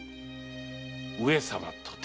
上様とて